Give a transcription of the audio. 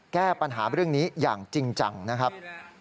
แก้ปัญหาเรื่องนี้อย่างจริงจังนะครับ